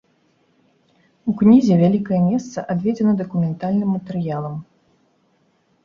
У кнізе вялікае месца адведзена дакументальным матэрыялам.